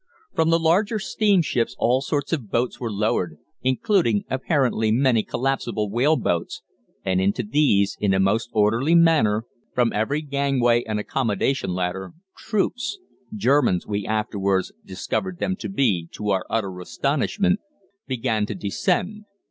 "From the larger steamships all sorts of boats were lowered, including apparently many collapsible whaleboats, and into these, in a most orderly manner, from every gangway and accommodation ladder, troops Germans we afterwards discovered them to be, to our utter astonishment began to descend.